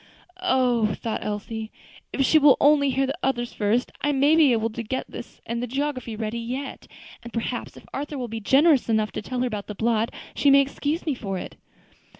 "Oh!" thought Elsie, "if she will only hear the others first, I may be able to get this and the geography ready yet; and perhaps, if Arthur will be generous enough to tell her about the blot, she may excuse me for it."